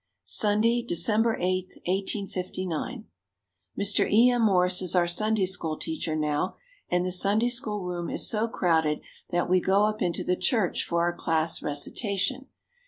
Sunday, December 8, 1859. Mr. E. M. Morse is our Sunday School teacher now and the Sunday School room is so crowded that we go up into the church for our class recitation.